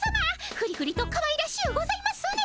フリフリとかわいらしゅうございますね。